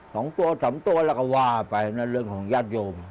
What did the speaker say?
สองตัวสามตัวแล้วก็ว่าไปนั่นเรื่องของญาติโยม